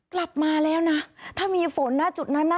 กลับมาแล้วนะถ้ามีฝนนะจุดนั้นนะ